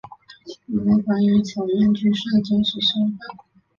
有人怀疑草庵居士的真实身份。